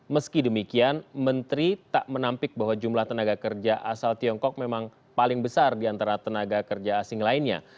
meski demikian menteri tak menampik bahwa jumlah tenaga kerja asal tiongkok memang paling besar di antara tenaga kerja asing lainnya